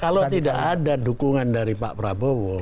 kalau tidak ada dukungan dari pak prabowo